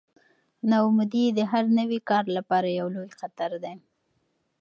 ناامیدي د هر نوي کار لپاره یو لوی خطر دی.